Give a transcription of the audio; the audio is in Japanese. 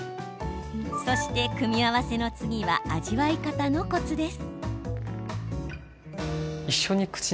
そして、組み合わせの次は味わい方のコツです。